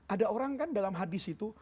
ada orang kan dalam hadis itu